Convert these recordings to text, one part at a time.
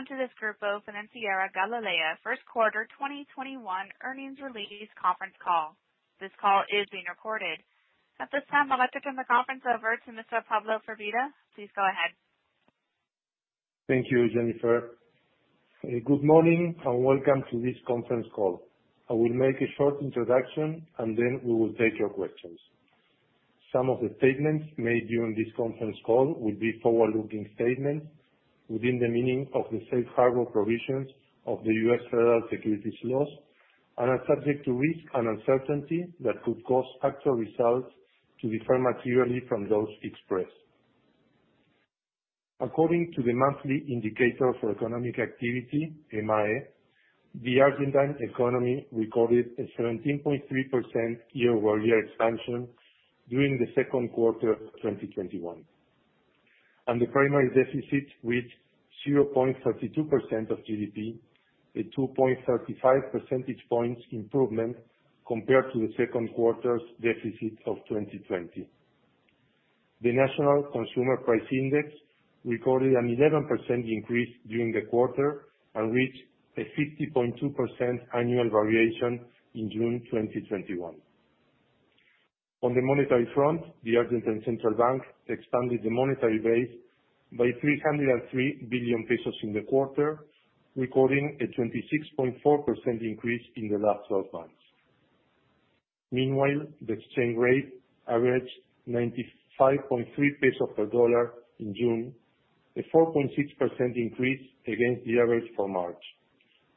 Welcome to this Grupo Financiero Galicia second quarter 2021 earnings release conference call. This call is being recorded. At this time, I'll turn the conference over to Mr. Pablo Firvida. Please go ahead. Thank you, Jennifer. Good morning, and welcome to this conference call. I will make a short introduction, and then we will take your questions. Some of the statements made during this conference call will be forward-looking statements within the meaning of the safe harbor provisions of the U.S. Federal Securities Laws and are subject to risk and uncertainty that could cause actual results to differ materially from those expressed. According to the Monthly Estimator of Economic Activity, EMAE, the Argentine economy recorded a 17.3% year-over-year expansion during the second quarter of 2021. The primary deficit reached 0.32% of GDP, a 2.35 percentage points improvement compared to the second quarter's deficit of 2020. The National Consumer Price Index recorded an 11% increase during the quarter and reached a 50.2% annual variation in June 2021. On the monetary front, the Argentine Central Bank expanded the monetary base by 303 billion pesos in the quarter, recording a 26.4% increase in the last 12 months. Meanwhile, the exchange rate averaged 95.3 pesos per dollar in June, a 4.6% increase against the average for March.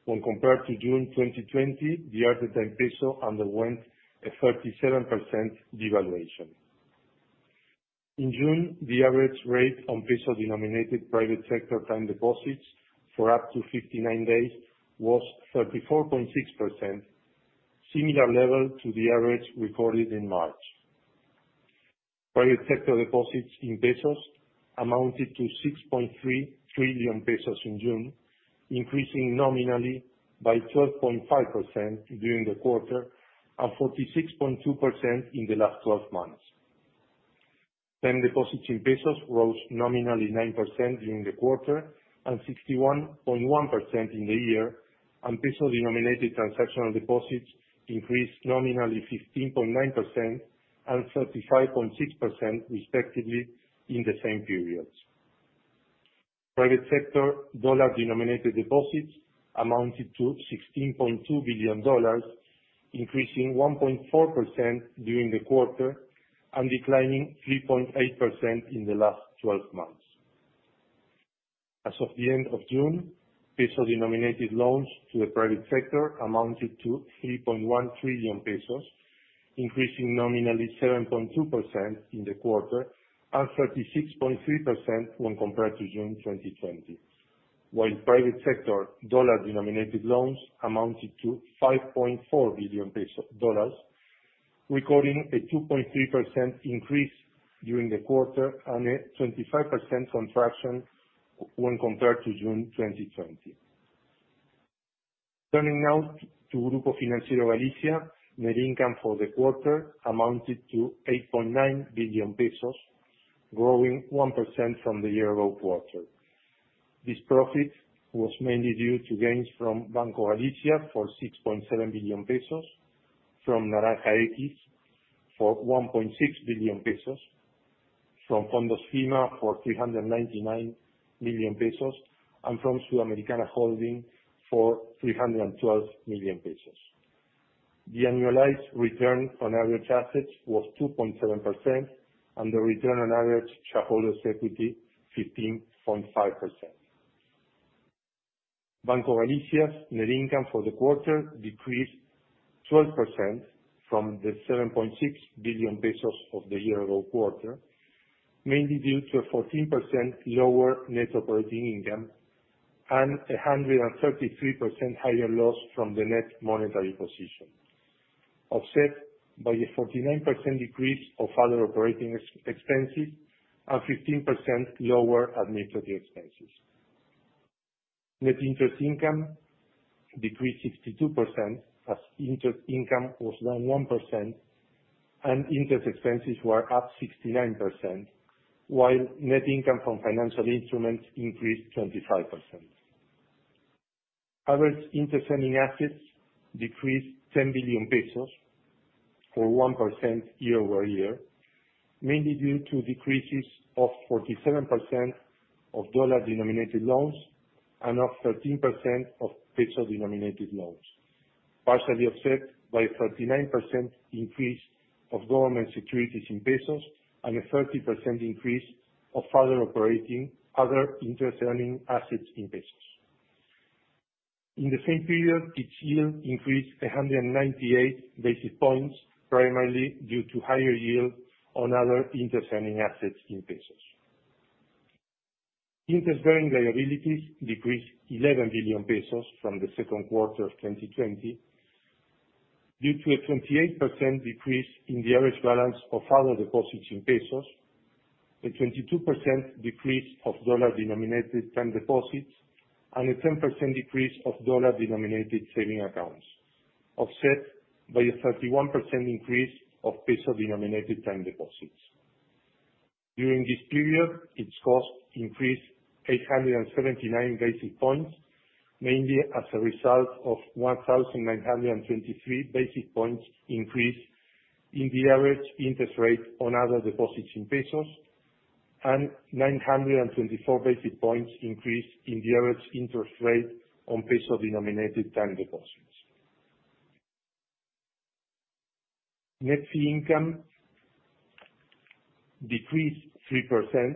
When compared to June 2020, the Argentine peso underwent a 37% devaluation. In June, the average rate on peso-denominated private sector time deposits for up to 59 days was 34.6%, similar level to the average recorded in March. Private sector deposits in pesos amounted to 6.3 trillion pesos in June, increasing nominally by 12.5% during the quarter and 46.2% in the last 12 months. Time deposits in pesos rose nominally 9% during the quarter and 61.1% in the year, and peso-denominated transactional deposits increased nominally 15.9% and 35.6%, respectively, in the same periods. Private sector dollar-denominated deposits amounted to $16.2 billion, increasing 1.4% during the quarter and declining 3.8% in the last 12 months. As of the end of June, peso-denominated loans to the private sector amounted to 3.1 trillion pesos, increasing nominally 7.2% in the quarter and 36.3% when compared to June 2020. While private sector dollar-denominated loans amounted to $5.4 billion, recording a 2.3% increase during the quarter and a 25% contraction when compared to June 2020. Turning now to Grupo Financiero Galicia, net income for the quarter amounted to 8.9 billion pesos, growing 1% from the year-ago quarter. This profit was mainly due to gains from Banco Galicia for 6.7 billion pesos, from Naranja X for 1.6 billion pesos, from Fondos Fima for 399 million pesos, and from Sudamericana Holding for 312 million pesos. The annualized return on average assets was 2.7%, and the return on average shareholders' equity, 15.5%. Banco Galicia's net income for the quarter decreased 12% from the 7.6 billion pesos of the year-ago quarter, mainly due to a 14% lower net operating income and 133% higher loss from the net monetary position, offset by a 49% decrease of other operating expenses and 15% lower administrative expenses. Net interest income decreased 62%, as interest income was down 1% and interest expenses were up 69%, while net income from financial instruments increased 25%. Average interest-earning assets decreased 10 billion pesos, or 1% year-over-year, mainly due to decreases of 47% of dollar-denominated loans and of 13% of peso-denominated loans, partially offset by a 39% increase of government securities in pesos and a 30% increase of other interest-earning assets in pesos. In the same period, each year increased 198 basis points, primarily due to higher yield on other interest-earning assets in pesos. Interest-earning liabilities decreased 11 billion pesos from the second quarter of 2020 due to a 28% decrease in the average balance of other deposits in pesos, a 22% decrease of dollar-denominated time deposits, and a 10% decrease of dollar-denominated saving accounts, offset by a 31% increase of peso-denominated time deposits. During this period, its cost increased 879 basis points, mainly as a result of 1,923 basis points increase in the average interest rate on other deposits in pesos, and 924 basis points increase in the average interest rate on peso-denominated time deposits. Net fee income decreased 3%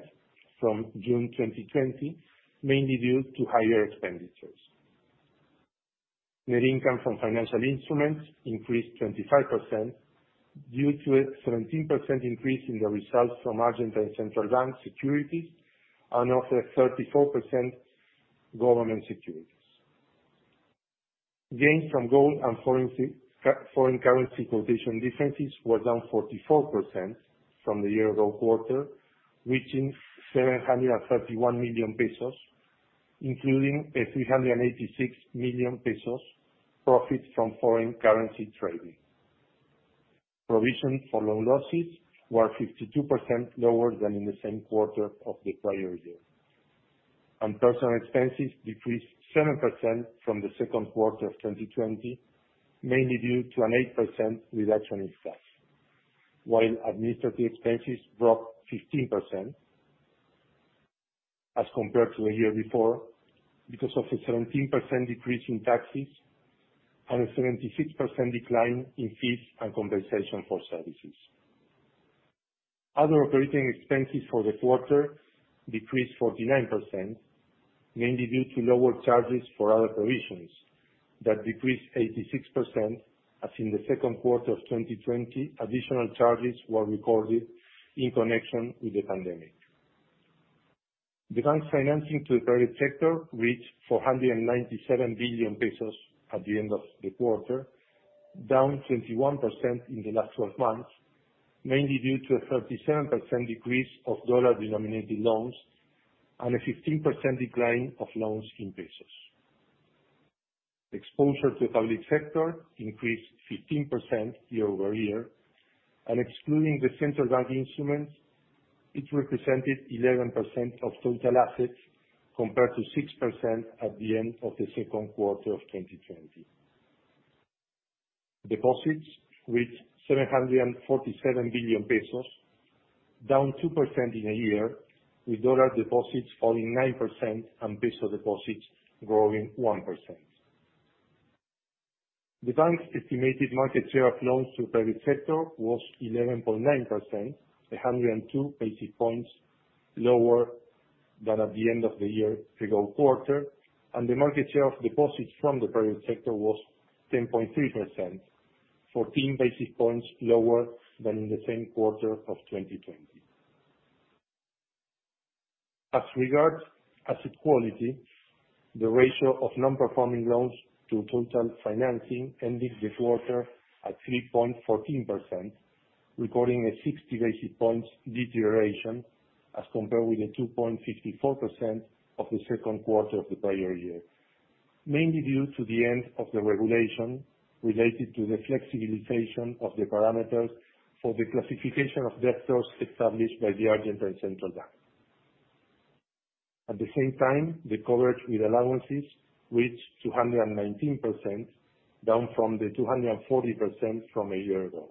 from June 2020, mainly due to higher expenditures. Net income from financial instruments increased 25%, due to a 17% increase in the results from Argentine Central Bank securities, and also 34% government securities. Gains from gold and foreign currency quotation differences were down 44% from the year ago quarter, reaching 731 million pesos, including a 386 million pesos profit from foreign currency trading. Provision for loan losses were 52% lower than in the same quarter of the prior year. Personnel expenses decreased 7% from the second quarter of 2020, mainly due to an 8% reduction in staff. While administrative expenses dropped 15% as compared to a year before because of a 17% decrease in taxes and a 76% decline in fees and compensation for services. Other operating expenses for the quarter decreased 49%, mainly due to lower charges for other provisions that decreased 86%, as in the second quarter of 2020, additional charges were recorded in connection with the pandemic. The bank's financing to the private sector reached 497 billion pesos at the end of the quarter, down 21% in the last 12 months, mainly due to a 37% decrease of dollar-denominated loans and a 15% decline of loans in pesos. Exposure to the public sector increased 15% year-over-year, and excluding the central bank instruments, it represented 11% of total assets compared to 6% at the end of the second quarter of 2020. Deposits reached 747 billion pesos, down 2% in a year, with dollar deposits falling 9% and peso deposits growing 1%. The bank's estimated market share of loans to the private sector was 11.9%, 102 basis points lower than at the end of the year-ago quarter, and the market share of deposits from the private sector was 10.3%, 14 basis points lower than in the same quarter of 2020. As regards asset quality, the ratio of Non-Performing Loans to total financing ending the quarter at 3.14%, recording a 60 basis points deterioration as compared with the 2.54% of the second quarter of the prior year, mainly due to the end of the regulation related to the flexibilization of the parameters for the classification of debtors established by the Argentine Central Bank. At the same time, the coverage with allowances reached 219%, down from the 240% from a year ago.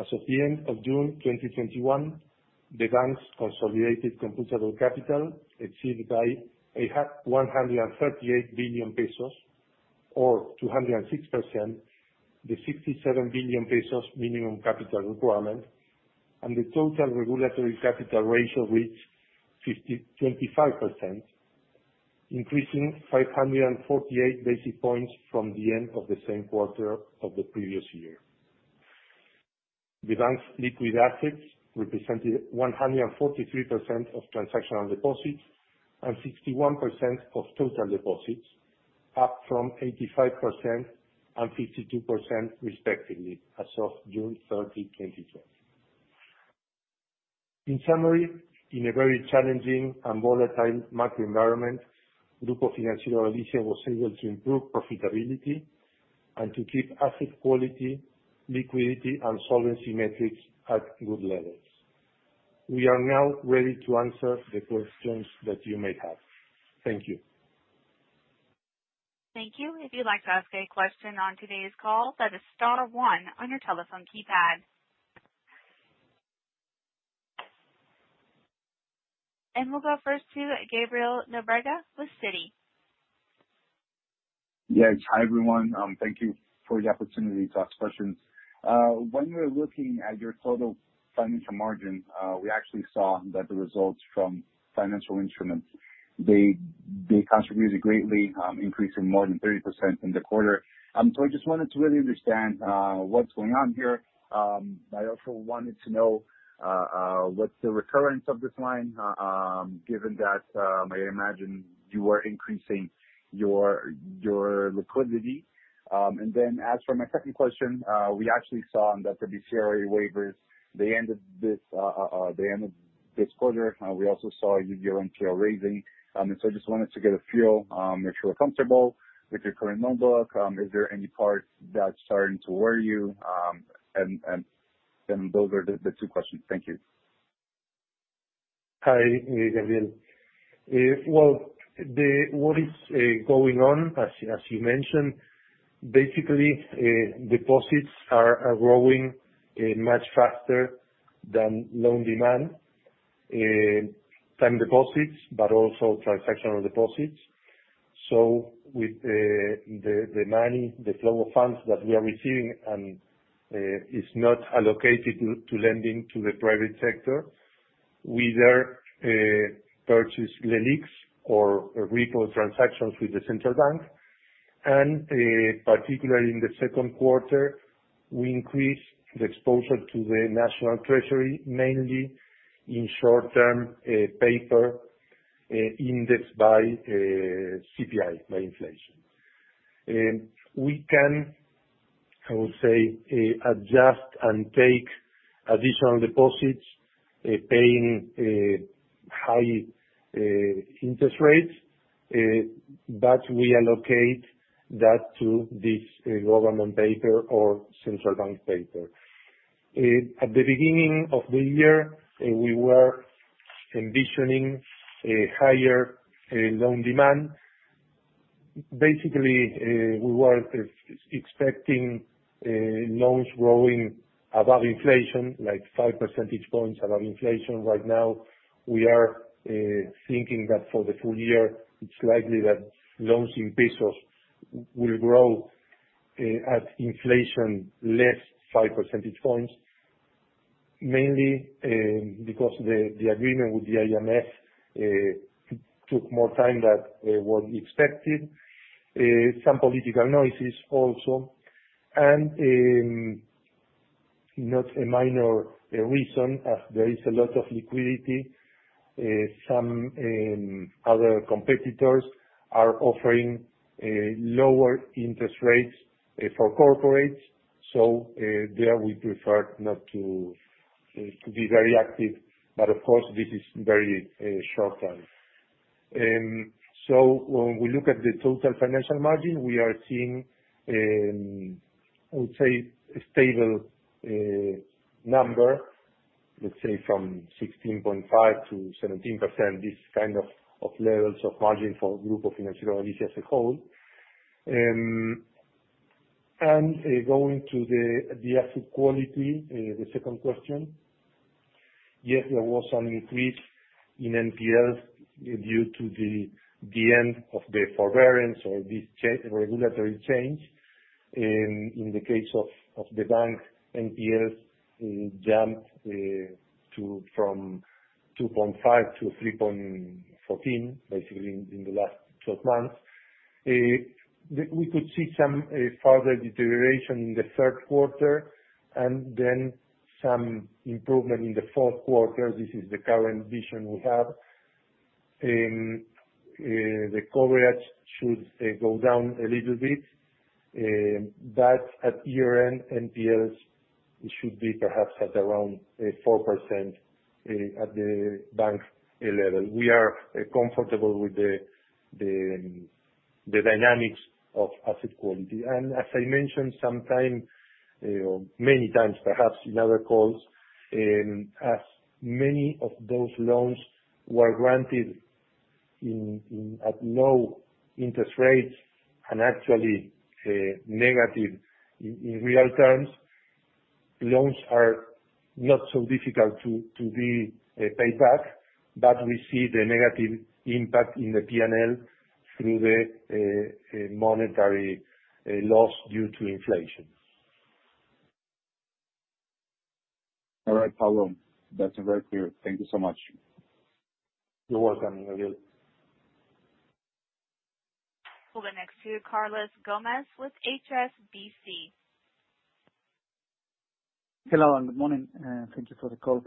As of the end of June 2021, the bank's consolidated computable capital exceeded by 138 billion pesos or 206%, the 67 billion pesos minimum capital requirement, and the total regulatory capital ratio reached 25%, increasing 548 basis points from the end of the same quarter of the previous year. The bank's liquid assets represented 143% of transactional deposits and 61% of total deposits, up from 85% and 52%, respectively, as of June 30, 2020. In summary, in a very challenging and volatile macro environment, Grupo Financiero Galicia was able to improve profitability and to keep asset quality, liquidity, and solvency metrics at good levels. We are now ready to answer the questions that you may have. Thank you. Thank you. If you'd like to ask a question on today's call, press star one on your telephone keypad. We'll go first to Gabriel Nóbrega with Citi. Yes. Hi, everyone. Thank you for the opportunity to ask questions. When we're looking at your total financial margin, we actually saw that the results from financial instruments, they contributed greatly, increasing more than 30% in the quarter. I just wanted to really understand what's going on here. I also wanted to know what's the recurrence of this line, given that I imagine you are increasing your liquidity. As for my second question, we actually saw that the BCRA waivers, they ended this quarter. We also saw you go into a raising. I just wanted to get a feel if you are comfortable with your current loan book. Is there any part that's starting to worry you? Those are the two questions. Thank you. Hi, Gabriel. Well, what is going on, as you mentioned, basically, deposits are growing much faster than loan demand, time deposits, but also transactional deposits. With the money, the flow of funds that we are receiving, and it's not allocated to lending to the private sector, we either purchase or repo transactions with the Central Bank. Particularly in the second quarter, we increased the exposure to the national treasury, mainly in short-term paper indexed by CPI, by inflation. We can, I would say, adjust and take additional deposits, paying high interest rates, we allocate that to this government paper or Central Bank paper. At the beginning of the year, we were envisioning a higher loan demand. Basically, we were expecting loans growing above inflation, like five percentage points above inflation. Right now, we are thinking that for the full year, it's likely that loans in pesos will grow at inflation less 5 percentage points, mainly because the agreement with the IMF took more time than was expected. Some political noises also, and not a minor reason, as there is a lot of liquidity, some other competitors are offering lower interest rates for corporates. There, we prefer not to be very active. Of course, this is very short-term. When we look at the total financial margin, we are seeing, I would say, a stable number, let's say from 16.5%-17%, this kind of levels of margin for Grupo Financiero Galicia as a whole. Going to the asset quality, the second question. Yes, there was some increase in NPLs due to the end of the forbearance or the regulatory change. In the case of the bank NPLs, it jumped from 2.5-3.14, basically, in the last 12 months. We could see some further deterioration in the third quarter, and then some improvement in the fourth quarter. This is the current vision we have. The coverage should go down a little bit. At year-end, NPLs should be perhaps at around 4% at the bank level. We are comfortable with the dynamics of asset quality. As I mentioned, sometimes or many times perhaps, in other calls, as many of those loans were granted at low interest rates and actually negative in real terms, loans are not so difficult to be paid back, but we see the negative impact in the P&L through the monetary loss due to inflation. All right, Pablo. That's very clear. Thank you so much. You're welcome, Gabriel. We'll go next to Carlos Gomez with HSBC. Hello, good morning. Thank you for the call.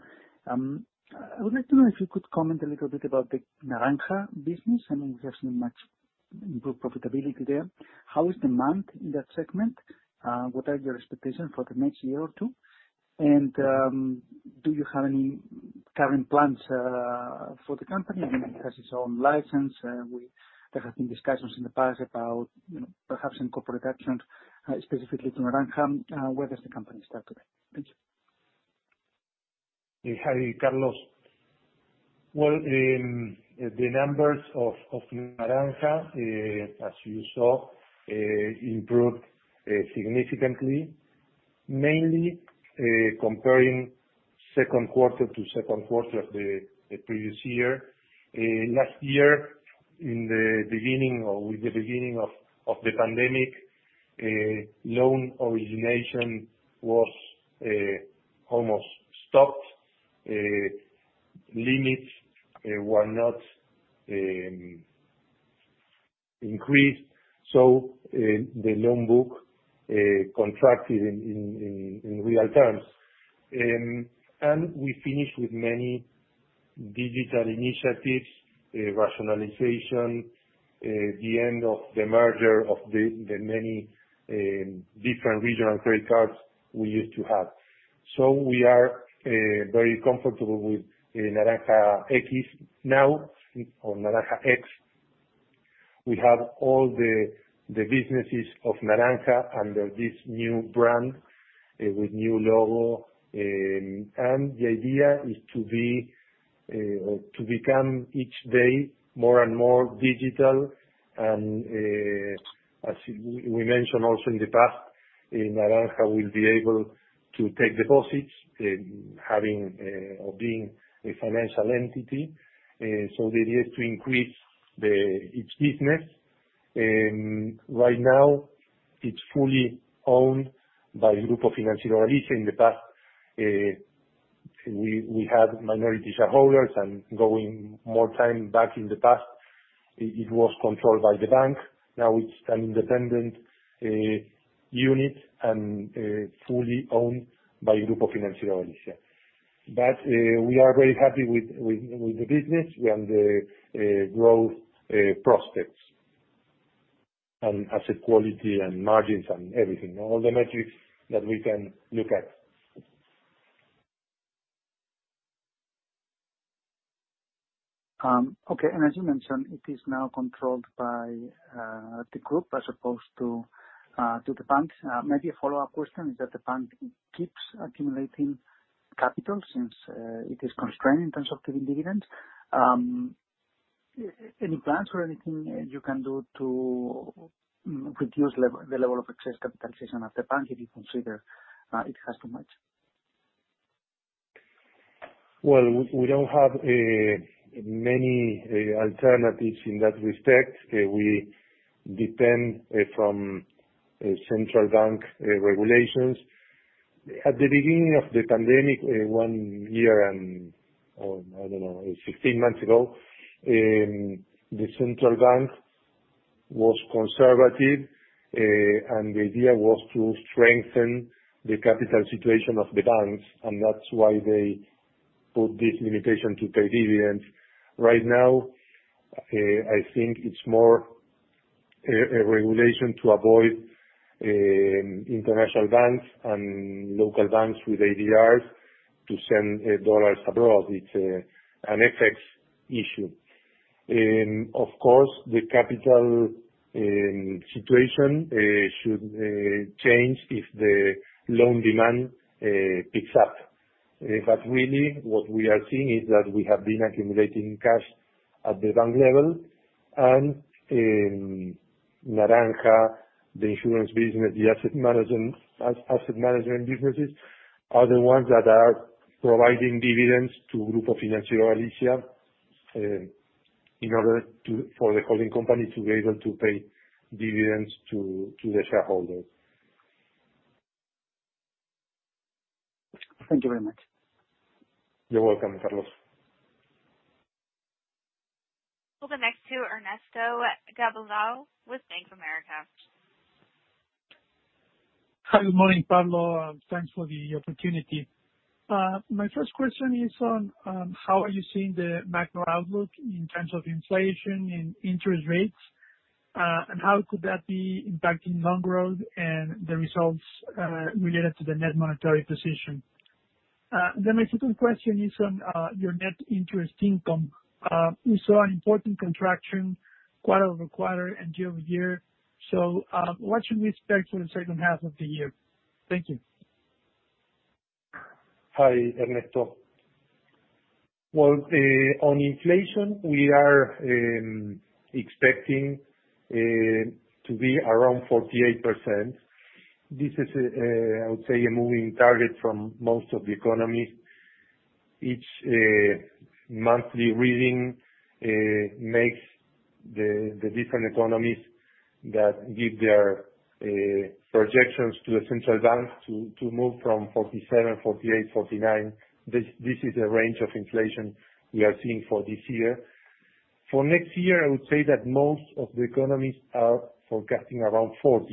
I would like to know if you could comment a little bit about the Naranja business. I mean, we have seen much improved profitability there. How is demand in that segment? What are your expectations for the next year or two? Do you have any current plans for the company? I mean, it has its own license. There have been discussions in the past about perhaps some corporate actions, specifically to Naranja. Where does the company stand today? Thank you. Hi, Carlos. Well, the numbers of Naranja, as you saw, improved significantly, mainly comparing second quarter to second quarter of the previous year. Last year, with the beginning of the pandemic, loan origination was almost stopped. Limits were not increased, so the loan book contracted in real terms. We finished with many digital initiatives, rationalization, the end of the merger of the many different regional credit cards we used to have. We are very comfortable with Naranja X. We have all the businesses of Naranja under this new brand, with new logo. The idea is to become each day more and more digital. As we mentioned also in the past, Naranja will be able to take deposits, being a financial entity. The idea is to increase each business. Right now it's fully owned by Grupo Financiero Galicia. In the past, we had minority shareholders, and going more time back in the past, it was controlled by the bank. Now it's an independent unit and fully owned by Grupo Financiero Galicia. We are very happy with the business and the growth prospects, and asset quality, and margins and everything, all the metrics that we can look at. Okay. As you mentioned, it is now controlled by the group as opposed to the bank. Maybe a follow-up question, is that the bank keeps accumulating capital since it is constrained in terms of giving dividends? Any plans or anything you can do to reduce the level of excess capitalization at the bank if you consider it has too much? Well, we don't have many alternatives in that respect. We depend from Central Bank regulations. At the beginning of the pandemic, one year, or, I don't know, 15 months ago, the Central Bank was conservative, and the idea was to strengthen the capital situation of the banks, and that's why they put this limitation to pay dividends. Right now, I think it's more a regulation to avoid international banks and local banks with ADRs to send U.S. dollars abroad. It's an FX issue. Of course, the capital situation should change if the loan demand picks up. Really, what we are seeing is that we have been accumulating cash at the bank level, and Naranja, the insurance business, the asset management businesses, are the ones that are providing dividends to Grupo Financiero Galicia in order for the holding company to be able to pay dividends to the shareholders. Thank you very much. You're welcome, Carlos. We'll go next to Ernesto Gabilondo with Bank of America. Hi. Good morning, Pablo. Thanks for the opportunity. My first question is on how are you seeing the macro-outlook in terms of inflation and interest rates, and how could that be impacting loan growth and the results related to the net monetary position? My second question is on your net interest income. We saw an important contraction quarter-over-quarter and year-over-year. What should we expect for the second half of the year? Thank you. Hi, Ernesto. Well, on inflation, we are expecting to be around 48%. This is, I would say, a moving target from most of the economists. Each monthly reading makes the different economists that give their projections to the Central Bank to move from 47, 48, 49. This is a range of inflation we are seeing for this year. For next year, I would say that most of the economists are forecasting around 40%.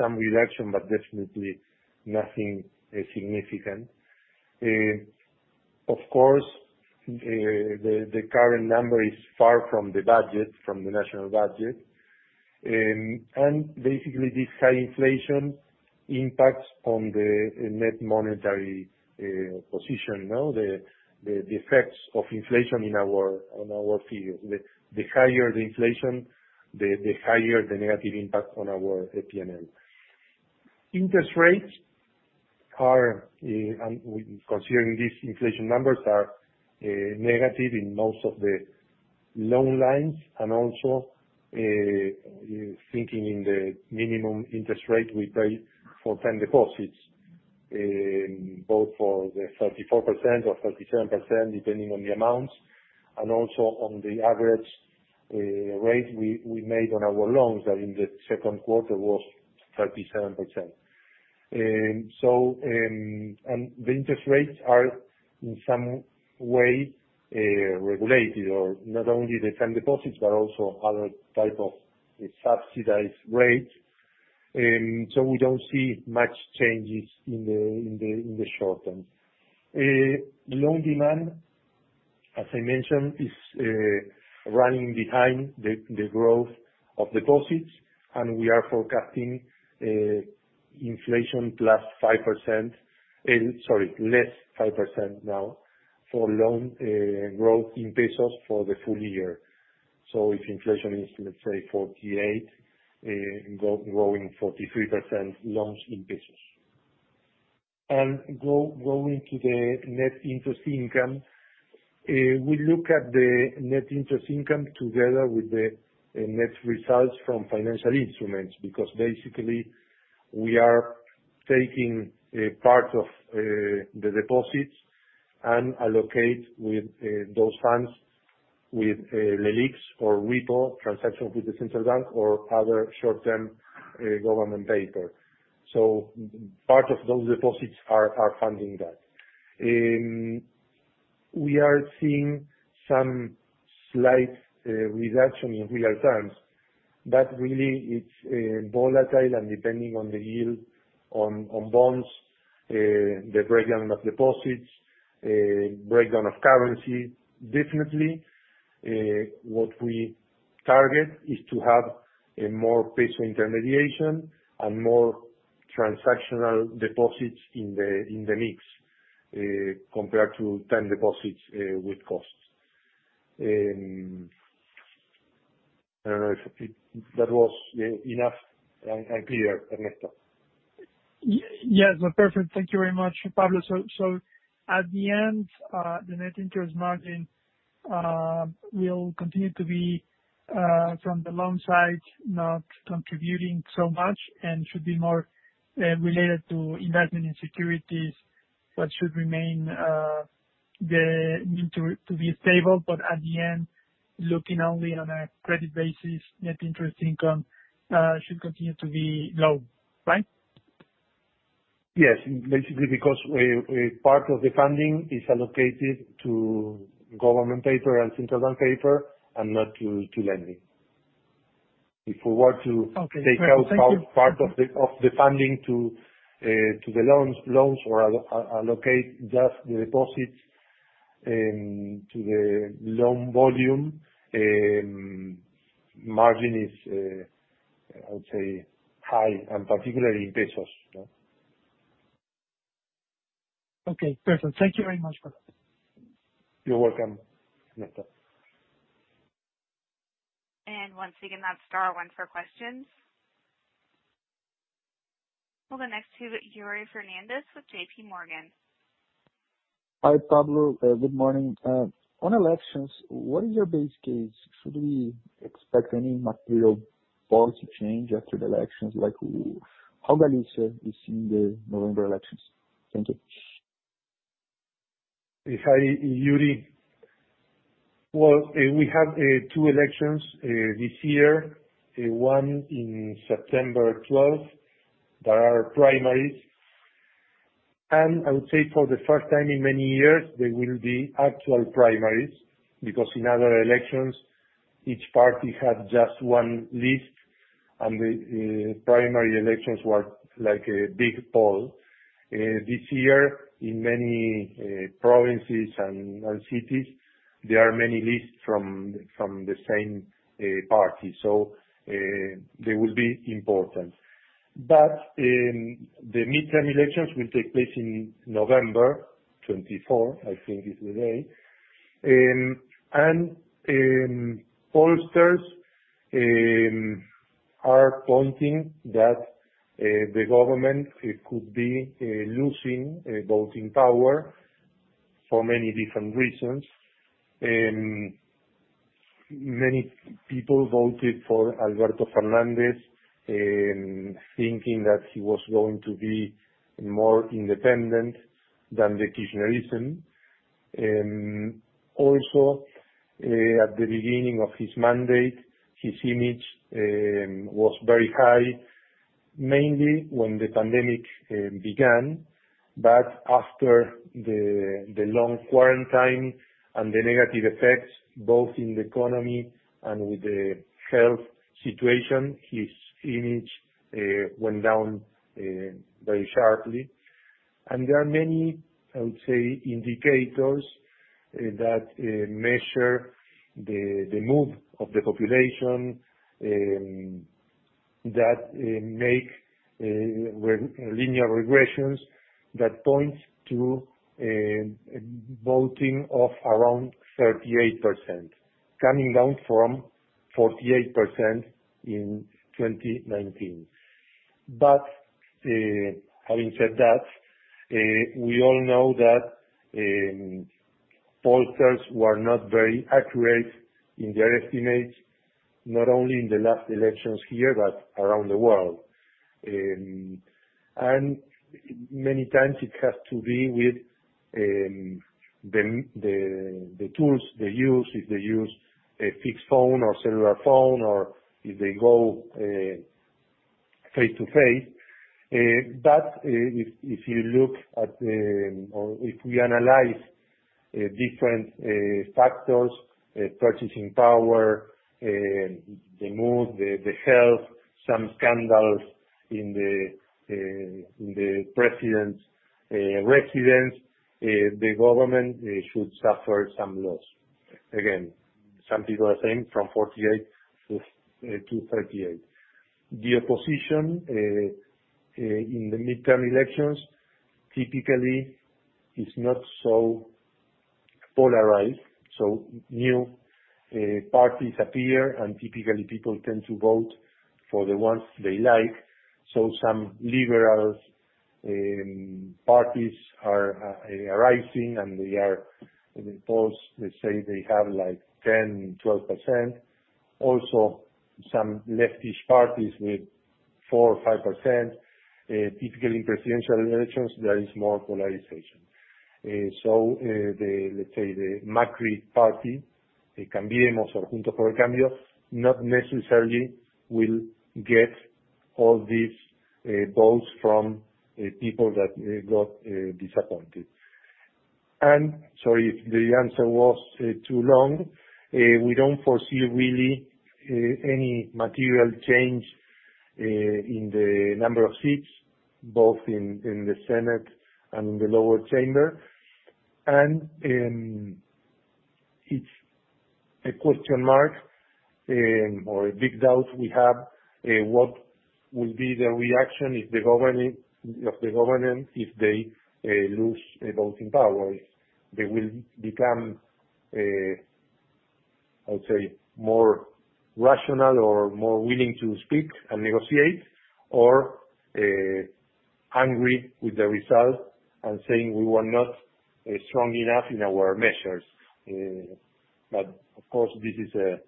Some reduction, definitely nothing significant. Of course, the current number is far from the budget, from the national budget. Basically, this high inflation impacts on the net monetary position. The effects of inflation on our field, the higher the inflation, the higher the negative impact on our P&L. Interest rates, considering these inflation numbers, are negative in most of the loan lines, and also, thinking in the minimum interest rate we pay for time deposits, both for the 34% or 37%, depending on the amounts, and also on the average rate we made on our loans are in the second quarter was 37%. The interest rates are, in some way, regulated or not only the time deposits, but also other type of subsidized rates. We don't see much changes in the short term. Loan demand, as I mentioned, is running behind the growth of deposits, and we are forecasting inflation plus 5%. Sorry, less 5% now. For loan growth in pesos for the full year. If inflation is, let's say, 48%, growing 43% loans in pesos. Going to the net interest income, we look at the net interest income together with the net income from financial instruments, because basically, we are taking a part of the deposits and allocate those funds with LELIQs or repo transactions with the central bank or other short-term government paper. Part of those deposits are funding that. Really, it's volatile and depending on the yield on bonds, the breakdown of deposits, breakdown of currency. Definitely, what we target is to have a more peso intermediation and more transactional deposits in the mix, compared to term deposits with costs. I don't know if that was enough and clear, Ernesto. Yes. Perfect. Thank you very much, Pablo. At the end, the net interest margin will continue to be, from the loan side, not contributing so much and should be more related to investment in securities, but should remain to be stable. At the end, looking only on a credit basis, net interest income should continue to be low. Right? Yes. Basically, because part of the funding is allocated to government paper and central bank paper and not to lending. Okay. Take out part of the funding to the loans or allocate just the deposits to the loan volume, margin is, I would say, high and particularly in pesos. Okay. Perfect. Thank you very much, Pablo. You're welcome, Ernesto. Once again, that's star one for questions. We'll go next to Yuri Fernandes with JPMorgan. Hi, Pablo. Good morning. On elections, what is your base case? Should we expect any material policy change after the elections like how Galicia is in the November elections? Thank you. Hi, Yuri. Well, we have two elections this year. One in September 12th, that are our primaries. I would say for the first time in many years, they will be actual primaries, because in other elections, each party had just one list, and the primary elections were like a big poll. This year, in many provinces and cities, there are many lists from the same party. They will be important. The midterm elections will take place on November 24, I think is the day. Pollsters are pointing that the government could be losing a voting power for many different reasons. Many people voted for Alberto Fernández, thinking that he was going to be more independent than Peronism. Also, at the beginning of his mandate, his image was very high, mainly when the pandemic began. After the long quarantine and the negative effects, both in the economy and with the health situation, his image went down very sharply. There are many, I would say, indicators that measure the move of the population, that make linear regressions, that points to a voting of around 38%, coming down from 48% in 2019. Having said that, we all know that pollsters were not very accurate in their estimates, not only in the last elections here, but around the world. Many times it has to do with the tools they use, if they use a fixed phone or cellular phone or if they go face-to-face. If we analyze different factors, purchasing power, the mood, the health, some scandals in the president's residence, the government should suffer some loss. Again, some people are saying from 48 to 38. The opposition in the midterm elections typically is not so polarized. New parties appear, and typically, people tend to vote for the ones they like. Some liberal parties are arising, and they are in the polls. Let's say they have 10%-12%. Also, some leftish parties with 4% or 5%. Typically, in presidential elections, there is more polarization. Let's say the Macri party, not necessarily will get all these votes from people that got disappointed. Sorry if the answer was too long. We don't foresee really any material change in the number of seats, both in the Senate and in the lower chamber. It's a question mark or a big doubt we have, what will be the reaction of the government if they lose a vote in power? They will become, let's say, more rational or more willing to speak and negotiate or angry with the result and saying, "We were not strong enough in our measures." Of course, really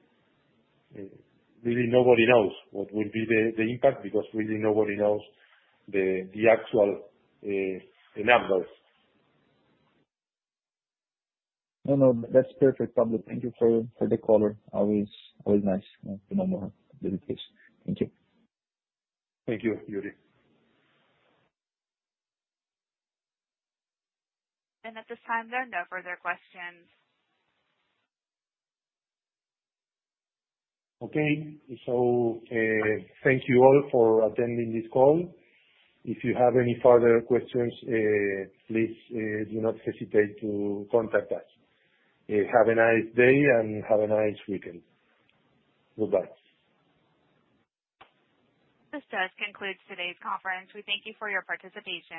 nobody knows what will be the impact because really nobody knows the actual numbers. No, that's perfect, Pablo. Thank you for the color. Always nice to know more details. Thank you. Thank you, Yuri. At this time, there are no further questions. Thank you all for attending this call. If you have any further questions, please do not hesitate to contact us. Have a nice day and have a nice weekend. Goodbye. This does conclude today's conference. We thank you for your participation.